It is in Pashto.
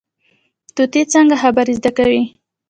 طوطي څنګه خبرې زده کوي؟